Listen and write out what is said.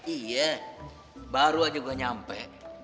iya baru aja gue nyampe